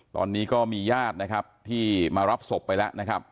ตอนนี้ก็มีญาตินะครับที่มารับศพไปแล้วนะครับ